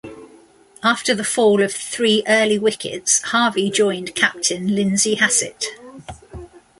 After the fall of three early wickets, Harvey joined captain Lindsay Hassett.